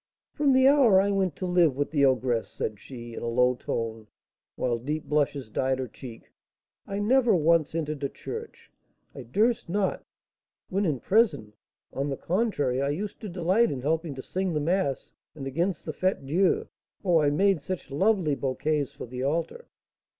"From the hour I went to live with the ogress," said she, in a low tone, while deep blushes dyed her cheek, "I never once entered a church, I durst not. When in prison, on the contrary, I used to delight in helping to sing the mass; and, against the Fête Dieu, oh, I made such lovely bouquets for the altar!"